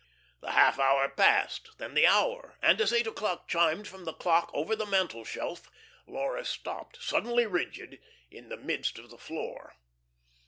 The half hour passed, then the hour, and as eight o'clock chimed from the clock over the mantelshelf Laura stopped, suddenly rigid, in the midst of the floor.